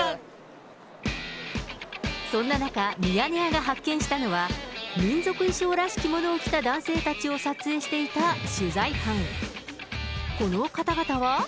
そんな中、ミヤネ屋が発見したのは、民族衣装らしきものを着た男性たちを撮影していた取材班。